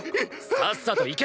さっさと行け！